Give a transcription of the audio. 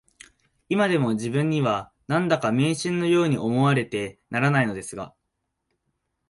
いまでも自分には、何だか迷信のように思われてならないのですが